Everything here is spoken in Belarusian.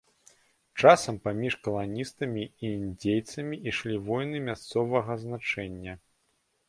Часам паміж каланістамі і індзейцамі ішлі войны мясцовага значэння.